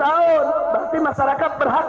berarti masyarakat berhak tidak